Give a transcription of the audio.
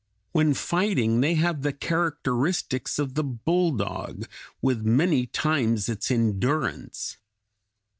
When fighting they have the characteristics of the bulldog, with many times its endurance.